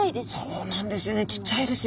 そうなんですよね。